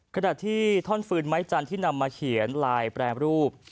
ขณะที่ท่อนฟืนไม้จันทร์ที่นำมาเขียนลายแปรรูป